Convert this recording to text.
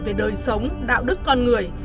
về đời sống đạo đức con người